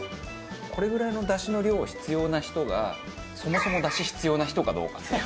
これぐらいのだしの量を必要な人がそもそもだし必要な人かどうかっていう。